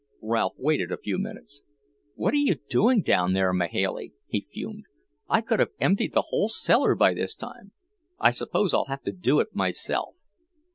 Ralph waited a few minutes. "What are you doing down there, Mahailey?" he fumed. "I could have emptied the whole cellar by this time. I suppose I'll have to do it myself."